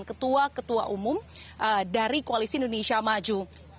ketua ketua umum dari koalisi indonesia maju